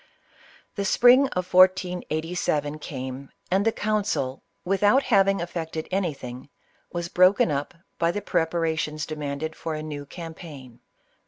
The spring of 1487 came, and the council, without having effected anything, was broken up by the prep arations demanded for a new campaign.